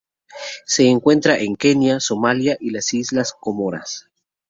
Se encuentra en Kenia, Somalia y las Islas Comoras.